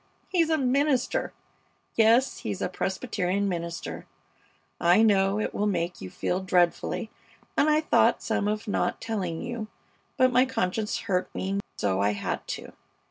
he's a minister! Yes, he's a Presbyterian minister! I know it will make you feel dreadfully, and I thought some of not telling you, but my conscience hurt me so I had to.